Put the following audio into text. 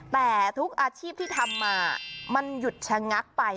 แต่ทุกอาชีพที่ทำมามันหยุดชะงักไป